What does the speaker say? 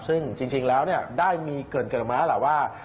ซึ่งจริงแล้วได้มีเกินมาแล้วล่ะว่า